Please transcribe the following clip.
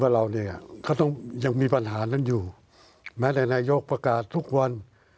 ว่าเรานี่เขายังมีปัญหานั้นอยู่แม้ในนายกประกาศทุกวัน